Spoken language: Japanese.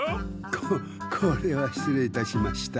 ここれはしつ礼いたしました。